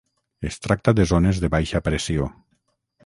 Es tracta de zones de baixa pressió.